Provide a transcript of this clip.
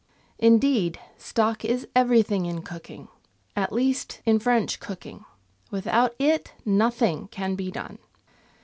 Indeed, stock is everything in cooking, at least in French cooking. Without it, nothing can be done.